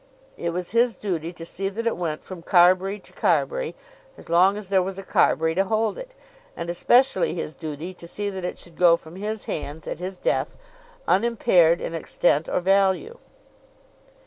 It was his duty to see that it went from Carbury to Carbury as long as there was a Carbury to hold it, and especially his duty to see that it should go from his hands, at his death, unimpaired in extent or value.